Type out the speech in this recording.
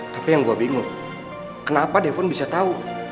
tapi yang gua bingung kenapa devon bisa tau